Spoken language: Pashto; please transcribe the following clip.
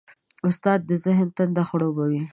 استاد د ذهن تنده خړوبوي.